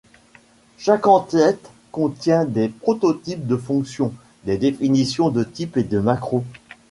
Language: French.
Chaque en-tête contient des prototypes de fonctions, des définitions de types et de macros.